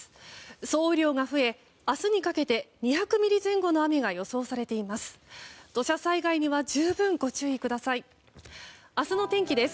総雨量が増え、明日にかけて２００ミリ前後の雨が予想されています。